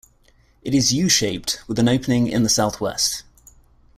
It is U-shaped, with an opening in the south-west.